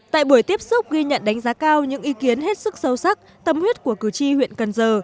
tại buổi tiếp xúc ghi nhận đánh giá cao những ý kiến hết sức sâu sắc tâm huyết của cử tri huyện cần giờ